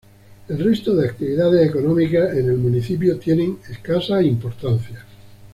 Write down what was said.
El resto de actividades económicas en el municipio tienen escasa importancia.